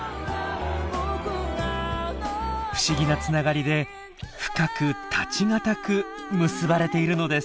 不思議なつながりで深く絶ち難く結ばれているのです。